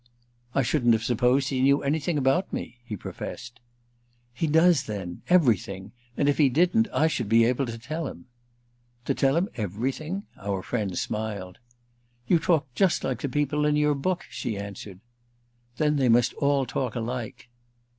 "I shouldn't have supposed he knew anything about me," he professed. "He does then—everything. And if he didn't I should be able to tell him." "To tell him everything?" our friend smiled. "You talk just like the people in your book!" she answered. "Then they must all talk alike."